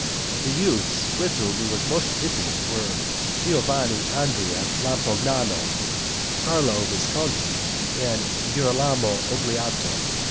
The youths with whom he was most intimate were Giovanni Andrea Lampognano, Carlo Visconti, and Girolamo Ogliato.